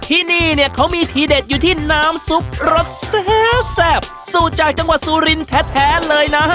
ที่นี่เนี่ยเขามีทีเด็ดอยู่ที่น้ำซุปรสแซ่บสูตรจากจังหวัดสุรินแท้เลยนะ